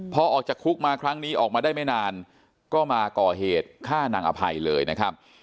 พอออกจากคุกมาครั้งนี้ออกมาได้ไม่นานก็มาก่อเหตุฆ่านางอภัยเลยนะครับ